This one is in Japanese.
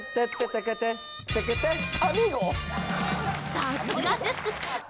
さすがです。